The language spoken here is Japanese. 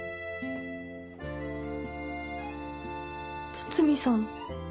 筒見さん？